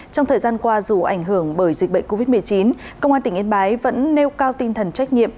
trong thời gian qua dù ảnh hưởng bởi dịch bệnh covid một mươi chín công an tỉnh yên bái vẫn nêu cao tinh thần trách nhiệm